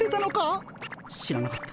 知らなかった。